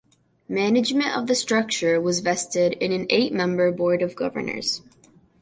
Management of the structure was vested in an eight-member Board of Governors.